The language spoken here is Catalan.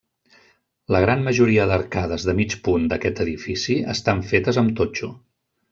La gran majoria d'arcades de mig punt d'aquest edifici estan fetes amb totxo.